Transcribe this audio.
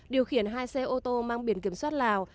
điều khiển hai xe ô tô mang biển kiểm soát lào